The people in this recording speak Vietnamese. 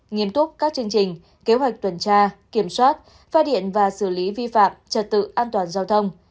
nghiêm túc các chương trình kế hoạch tuần tra kiểm soát phát hiện và xử lý vi phạm trật tự an toàn giao thông